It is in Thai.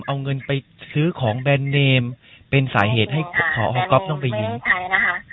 เอาเงินไปซื้อของแบรนด์เนมเป็นสาเหตุให้ของต้องไปยืนไม่ใช่นะคะ